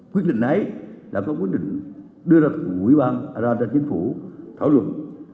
quyết định ấy đã có quyết định đưa ra từ quỹ ban ra cho chính phủ thảo luận